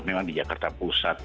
memang di jakarta pusat